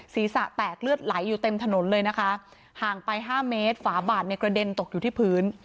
ศีรษะแตกเลือดไหลอยู่เต็มถนนเลยนะคะห่างไปห้าเมตรฝาบาดในกระเด็นตกอยู่ที่พื้น